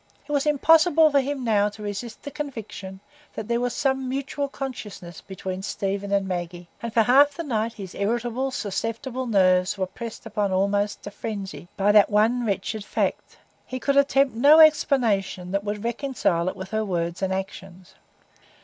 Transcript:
It was impossible for him now to resist the conviction that there was some mutual consciousness between Stephen and Maggie; and for half the night his irritable, susceptible nerves were pressed upon almost to frenzy by that one wretched fact; he could attempt no explanation that would reconcile it with her words and actions.